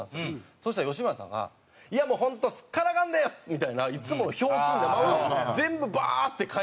そしたら吉村さんが「いやもうホントすっからかんです！」みたいないつものひょうきんなまま全部バーッて返したんですよ。